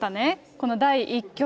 この第１局。